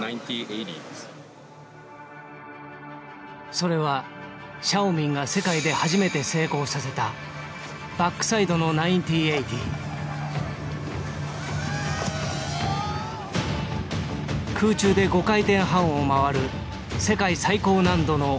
それはシャオミンが世界で初めて成功させた空中で５回転半を回る世界最高難度の大技。